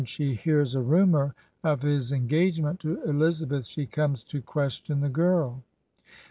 ^ hears a rumor of his engagement to Elizabeth, she comes to question the girl.